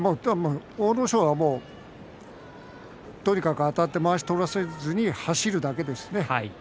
阿武咲はもうとにかくあたってまわしを取らせずに走るだけですね。